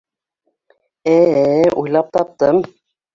Ә-ә-ә, уйлап таптым.